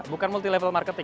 bukan multi level marketing